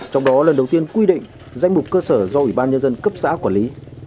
trong đó lần đầu tiên quy định danh mục cơ sở do ủy ban nhân dân cấp xã quản lý